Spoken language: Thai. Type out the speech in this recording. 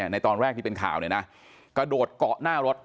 ในตอนแรกที่เป็นข่าวกระโดดเกาะหน้ารถ